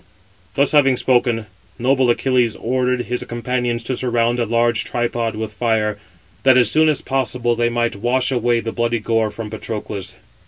Thus having spoken, noble Achilles ordered his companions to surround a large tripod with fire, that as soon as possible they might wash away the bloody gore from Patroclus.